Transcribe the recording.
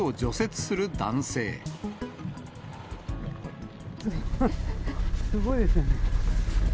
すごいですね。